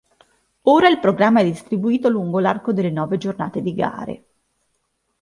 Ora il programma è distribuito lungo l'arco delle nove giornate di gare.